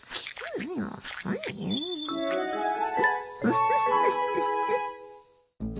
ウフフフフ。